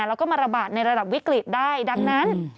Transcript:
แล้วก็มาระบาดในระดับวิกฤตได้ดังนั้น